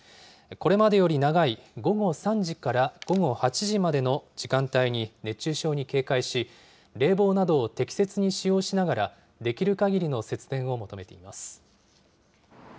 これまでより長い午後３時から午後８時までの時間帯に、熱中症に警戒し、冷房などを適切に使用しながら、できるかぎりの節電を求めています。